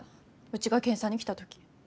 うちが検査に来た時。